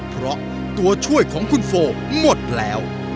เพราะตัวช่วยของคุณโฟหมดแล้ว